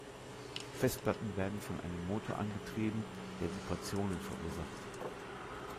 Festplatten werden von einem Motor angetrieben, der Vibrationen verursacht.